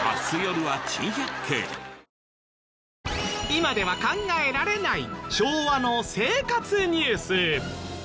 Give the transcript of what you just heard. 今では考えられない昭和の生活ニュース。